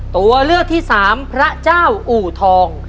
ตัวเลือกที่สามพระเจ้าอู่ทอง